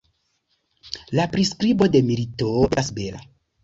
La priskribo de milito estas bela.